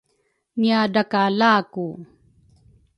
ngiadrakalaku.